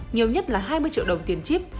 nhiều nhất là hai mươi triệu đồng tiền chip